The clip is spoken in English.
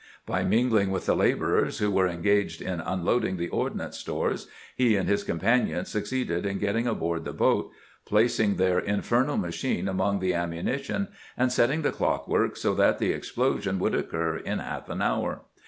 By mingling with the laborers who were engaged in unloading the ordnance stores, he and his companion succeeded in getting aboard the boat, placing their infernal machine among the am munition, and setting the clockwork so that the explo sion would occur in half an hour.